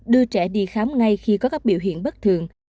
đưa trẻ đi khám ngay khi có các biểu hiện bất thường